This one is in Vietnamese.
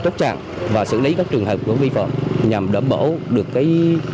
chốt trạng và xử lý các trường hợp của vi phẩm nhằm đảm bảo được an ninh trật tự